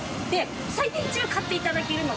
把うちは買っていただけるので。